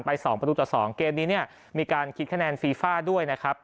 สองประตูต่อสองเกมนี้เนี่ยมีการคิดคะแนนฟีฟ่าด้วยนะครับ